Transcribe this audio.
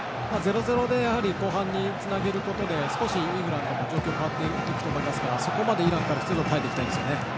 ０−０で後半につなげることで少しイングランドの状況が変わっていくと思うのでそこまでイランは耐えたいですね。